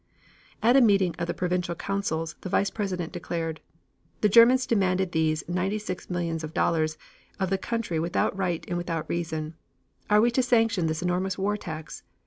At a meeting of the Provincial Councils the vice president declared: "The Germans demand these $96,000,000 of the country without right and without reason. Are we to sanction this enormous war tax?